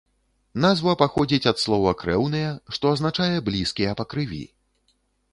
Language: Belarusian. Назва паходзіць ад слова крэўныя, што азначае блізкія па крыві.